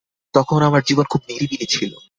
তখন আমার জীবন খুব নিরিবিলি ছিল।